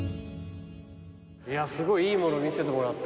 いやすごいいいもの見せてもらった。